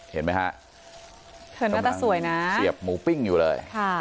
เห็นไหมฮะเสียบหมูปิ้งอยู่เลย